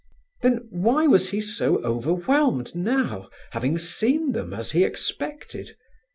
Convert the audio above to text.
Then why was he so overwhelmed now, having seen them as he expected?